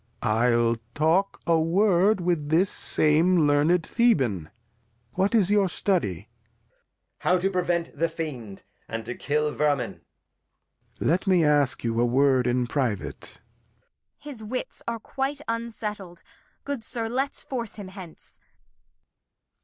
Lear. I'll take a Word with this same learned Thehan. What is your study ? Edg. How to prevent the Fiend, and to kill Vermin. Lear. 'Let me ask you a Word in private. Kent. His Wits are quite unsettled; good Sir, let's force him hence.